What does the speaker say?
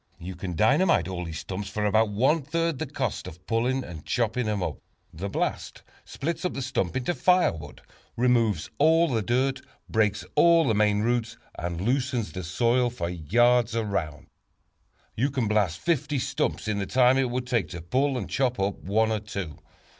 You can dynamite all those stumps for about one third the cost of pulling and chopping them up. The blast splits up the stump into firewood, removes all the dirt, breaks all the main roots, and loosens the soil for yards around. You can blast fifty stumps in the time it would take to pull and chop up one or two.